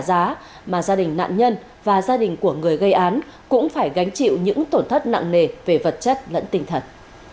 trả giá mà gia đình nạn nhân và gia đình của người gây án cũng phải gánh chịu những tổn thất nặng nề về vật chất lẫn tình thật